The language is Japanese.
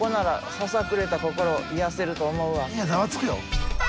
いやざわつくよ。